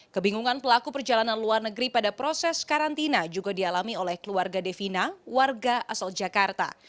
kebingungan pelaku perjalanan luar negeri pada proses karantina juga dialami oleh keluarga devina warga asal jakarta